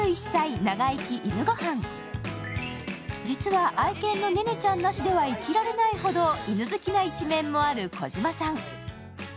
実は、愛犬のネネちゃんなしでは生きられないほど犬好きな一面もある児嶋さん。